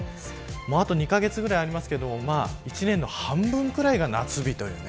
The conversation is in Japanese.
あと２カ月ぐらいありますが１年の半分くらいが夏日という。